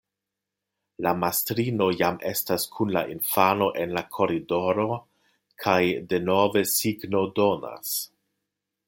La mastrino jam estas kun la infano en la koridoro kaj denove signodonas.